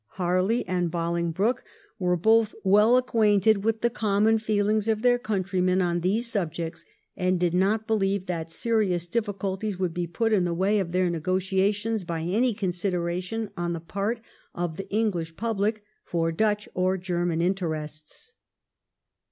Harley and Bolingbroke were 86 THE KEIGN OF QUEEN ANNE. ch. xxv. both well acquainted with the common feelings of their countrymen on these subjects, and did not believe that serious difficulties would be put in the way of their negotiations by any consideration on the part of the English public for Dutch or German interests.